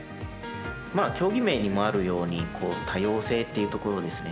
競技名にもあるように多様性っていうところですね。